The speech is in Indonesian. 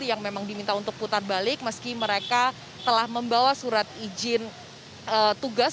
yang memang diminta untuk putar balik meski mereka telah membawa surat izin tugas